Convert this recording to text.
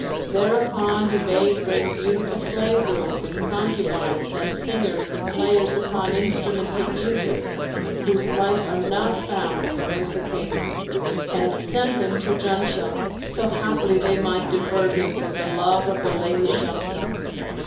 Thereupon he bade bring beautiful slave girls and concubines and singers and players upon instruments of music, whose like are not found but with the Kings: and sent them to Janshah, so haply they might divert him from the love of the lady Shamsah.